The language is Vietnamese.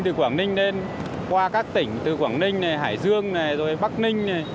từ quảng ninh lên qua các tỉnh từ quảng ninh hải dương bắc ninh